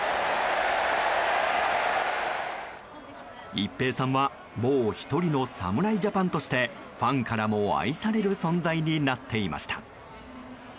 一平さんは、もう１人の侍ジャパンとしてファンからも愛される存在になっていました。